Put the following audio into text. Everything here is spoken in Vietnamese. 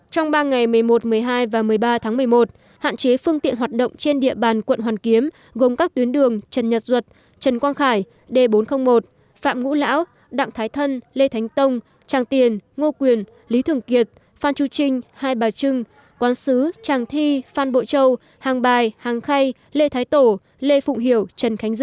trong ba ngày một mươi một một mươi hai và một mươi ba tháng một mươi một hạn chế phương tiện hoạt động trên địa bàn quận hoàn kiếm gồm các tuyến đường trần nhật duật trần quang khải d bốn trăm linh một phạm ngũ lão đặng thái thân lê thánh tông tràng tiền ngô quyền lý thường kiệt phan chu trinh hai bà trưng quán sứ tràng thi phan bộ châu hàng bài hàng khay lê thái tổ lê phụng hiểu trần khánh dư